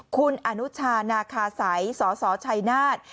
คุณอนุชานาคาสัยสสชัยนาฏ